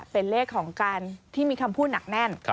เป็นเลขของการที่มีคำพูดหนักแน่น